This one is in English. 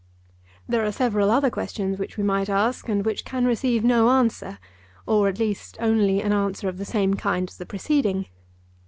There are several other questions which we might ask and which can receive no answer, or at least only an answer of the same kind as the preceding.